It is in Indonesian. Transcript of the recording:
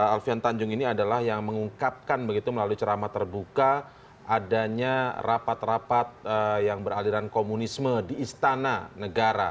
alfian tanjung ini adalah yang mengungkapkan begitu melalui ceramah terbuka adanya rapat rapat yang beraliran komunisme di istana negara